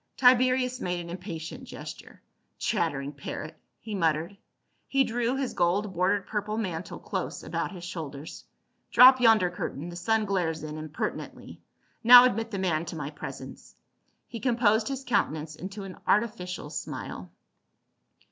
Tiberius made an impatient gesture. " Chattering parrot !" he muttered. He drew his gold bordered purple mantle close about his shoulders. " Drop yonder curtain ; the sun glares in impertinently. Now admit the man to my presence." He composed his countenance into an artificial smile.